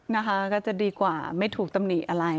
นะคะก็จะดีกว่าไม่ถูกตำหนิอะไร